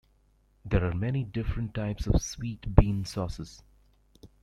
There are many different types of sweet bean sauces.